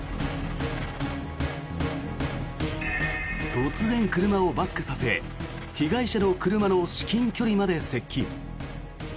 突然、車をバックさせ被害者の車の至近距離まで接近。